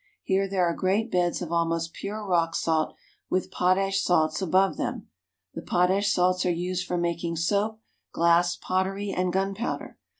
Here there are great beds of almost pure rock salt with potash salts above them. The potash salts are used for making soap, glass, pottery, and gunpowder.